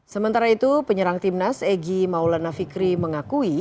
sementara itu penyerang timnas egy maulana fikri mengakui